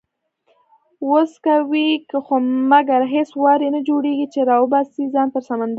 وس کوي خو مګر هیڅ وار یې نه جوړیږي، چې راوباسي ځان تر سمندره